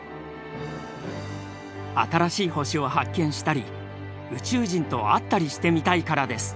「新しい星を発見したり宇宙人と会ったりしてみたいからです」。